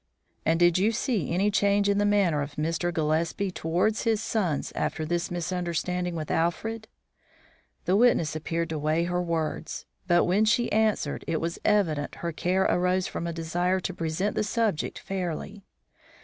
"And did you see any change in the manner of Mr. Gillespie towards his sons after this misunderstanding with Alfred?" The witness appeared to weigh her words; but, when she answered, it was evident her care arose from a desire to present the subject fairly.